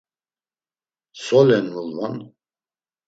Solen mulvan?